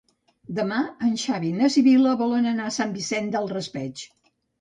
Demà en Xavi i na Sibil·la volen anar a Sant Vicent del Raspeig.